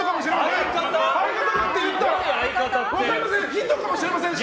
ヒントかもしれまんね！